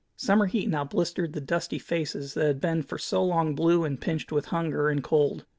Summer heat now blistered the dusty faces that had been for so long blue and pinched with hunger and cold.